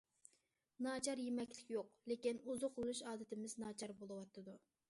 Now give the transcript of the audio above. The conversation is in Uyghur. ناچار يېمەكلىك يوق، لېكىن ئوزۇقلىنىش ئادىتىمىز ناچار بولۇۋاتىدۇ.